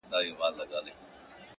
مینېږم زما فطرت عاشقانه دی,